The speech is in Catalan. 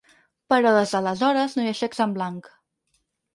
Però des d’aleshores no hi ha xecs en blanc.